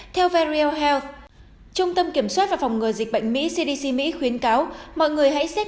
theo variohealth trung tâm kiểm soát và phòng ngừa dịch bệnh mỹ khuyến cáo mọi người hãy xét